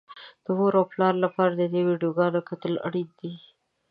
د مور او پلار لپاره د دې ويډيوګانو کتل اړين دي.